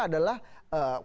ya kita melihatnya